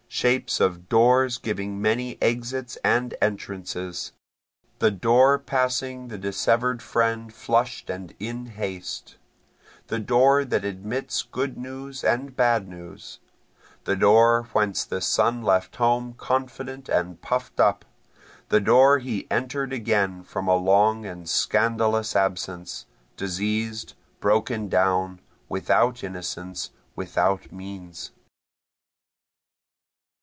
Shapes of doors giving many exits and entrances, The door passing the dissever'd friend flush'd and in haste, The door that admits good news and bad news, The door whence the son left home confident and puff'd up, The door he enter'd again from a long and scandalous absence, diseas'd, broken down, without innocence, without means.